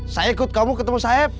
saya ikut kamu ketemu saya